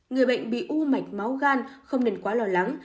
người bệnh bị u mạch máu gan không nên quá lo lắng